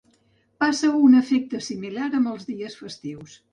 Passa un efecte similar amb els dies festius.